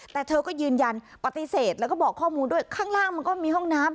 แต่เธอก็ยืนยันปฏิเสธแล้วก็บอกข้อมูลด้วยข้างล่างมันก็มีห้องน้ำ